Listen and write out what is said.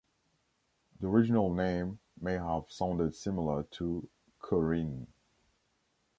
The original name may have sounded similar to "Korinn".